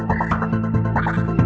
davin masih disini